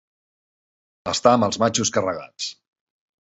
Estar amb els matxos carregats.